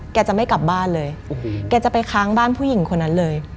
แกจะไม่กลับบ้านเลยแกจะไปค้างบ้านผู้หญิงคนนั้นเลย